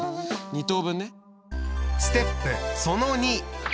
２等分ね。